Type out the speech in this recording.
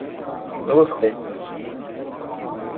Nwufeq-it.